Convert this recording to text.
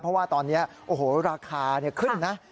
เพราะว่าตอนนี้โอ้โหราคาขึ้นนะ